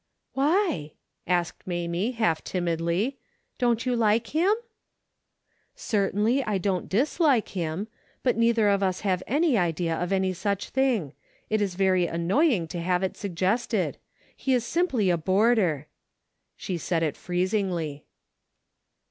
" Why ?" asked Mamie, half timidly, '' don't you like him ?"" Certainly, I don't dislike him. But neither of us have any idea of any such thing. It is 282 DAILY BATE.'^ very annoying to have it suggested. He is simply a' boarder." She said it freezingly.